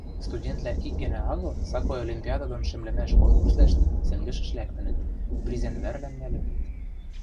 Студентвлӓ ик гӓнӓ агыл сакой олимпиада дон шӹмлӹмӓш конкурсвлӓштӹ сӹнгӹшӹш лӓктӹнӹт, призӓн вӓрвлӓм нӓлӹнӹт.